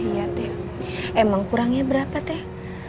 iya teh emang kurangnya berapa teh